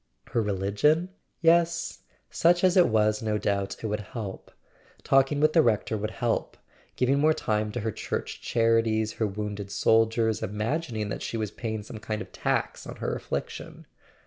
.. Her religion? Yes, such as it was no doubt it would help; talking with the Rector would help; giving more time to her church charities, her wounded soldiers, imagining that she was paying some kind of tax on her affliction.